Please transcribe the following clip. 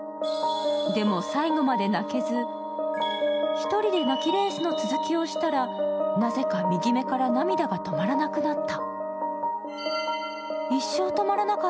でも、最後まで泣けず、１人で泣きレースの続きをしたらなぜか右目から涙が止まらなくなった。